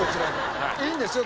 いいんですよ